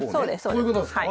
こういうことですか？